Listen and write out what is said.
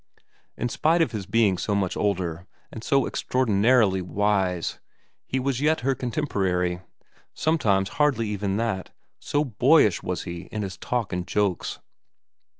In spite of his being so much older and so extraordinarily wise, he was yet her contemporary, sometimes hardly even that, so boyish was he in his xi VERA 119 talk and jokes.